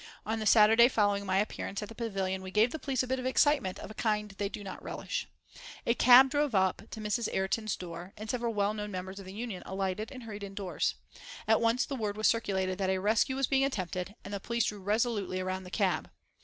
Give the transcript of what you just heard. On the Saturday following my appearance at the Pavillion we gave the police a bit of excitement of a kind they do not relish. A cab drove up to Mrs. Ayrton's door, and several well known members of the Union alighted and hurried indoors. At once the word was circulated that a rescue was being attempted, and the police drew resolutely around the cab.